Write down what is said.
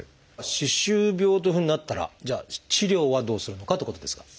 歯周病というふうになったらじゃあ治療はどうするのかってことですが。